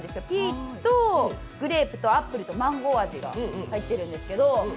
ピーチとグレープとアップルとマンゴー味が入ってるんです。